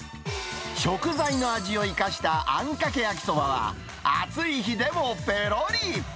食材の味を生かしたあんかけ焼きそばは、暑い日でもぺろり。